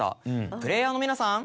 プレーヤーの皆さん